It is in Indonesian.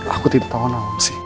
aku tidak tahu nawangsi